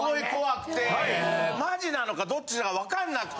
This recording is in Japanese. マジなのかどっちなのか分かんなくて。